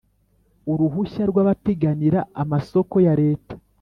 Uruhushya rw abapiganira amasoko ya Leta